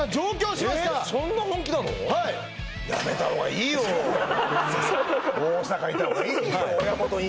はい大阪いた方がいいよ